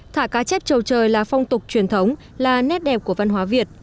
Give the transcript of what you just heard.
thả cá chép trầu trời là phong tục truyền thống là nét đẹp của văn hóa việt